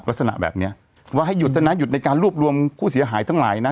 ลักษณะแบบเนี้ยว่าให้หยุดซะนะหยุดในการรวบรวมผู้เสียหายทั้งหลายนะ